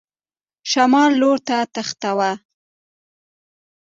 شمال لور ته دښته وه.